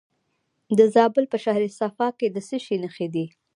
د زابل په شهر صفا کې د څه شي نښې دي؟